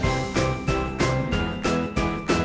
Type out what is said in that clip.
มีความสุขในที่ที่เราอยู่ในช่องนี้ก็คือความสุขในที่เราอยู่ในช่องนี้